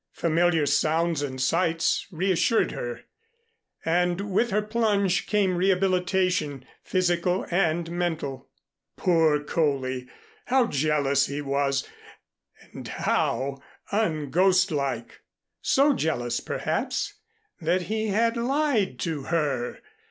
Familiar sounds and sights reassured her, and with her plunge came rehabilitation, physical and mental. Poor Coley! How jealous he was, and how unghostlike! So jealous, perhaps, that he had lied to her!